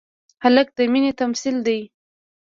هلک د مینې تمثیل دی.